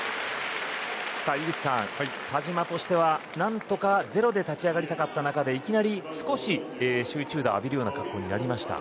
井口さん、田嶋としては何とか０で立ち上がりたかったところでいきなり少し集中打を浴びる格好になりました。